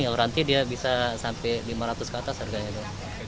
auranti dia bisa sampai lima ratus ke atas harganya itu